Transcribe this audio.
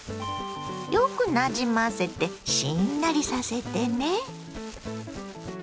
よくなじませてしんなりさせてね。